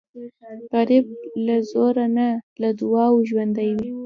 غریب له زوره نه، له دعاو ژوندی وي